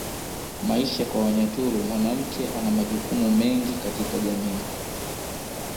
Maisha kwa Wanyaturu mwanamke ana majukumu mengi katika jamii